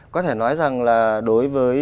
có thể nói rằng là đối với